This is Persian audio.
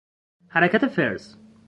حرکت فرز